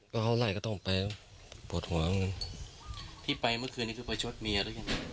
ก็เอาไหล่ก็ต้องไปปวดหัวเหมือนกับที่ไปเมื่อคืนนี้ก็ไปชดเมียร์